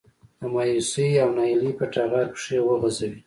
د مايوسي او ناهيلي په ټغر پښې وغځوي.